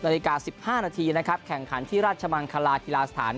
นาฬิกา๑๕นาทีนะครับแข่งขันที่ราชมังคลากีฬาสถาน